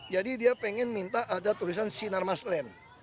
jadi dia pengen minta ada tulisan sinarmas land